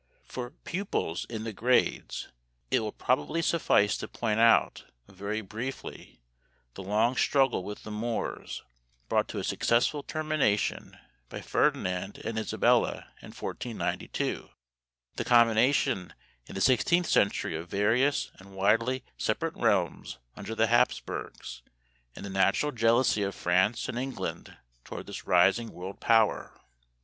For pupils in the grades it will probably suffice to point out very briefly the long struggle with the Moors, brought to a successful termination by Ferdinand and Isabella in 1492; the combination in the 16th century of various and widely separate realms under the Hapsburgs; and the natural jealousy of France and England toward this rising world power.